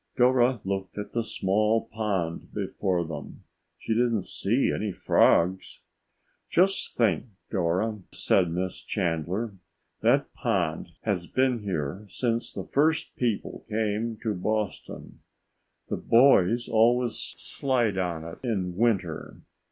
Dora looked at the small pond before them. She didn't see any frogs. "Just think, Dora," said Miss Chandler, "that pond has been here since the first people came to Boston. The boys always slide on it in winter.